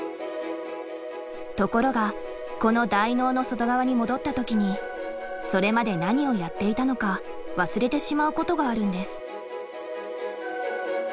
ところがこの大脳の外側に戻った時にそれまで何をやっていたのか忘れてしまうことがあるんです。